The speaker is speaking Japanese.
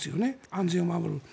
安全を守る。